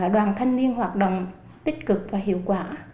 đoàn thanh niên hoạt động tích cực và hiệu quả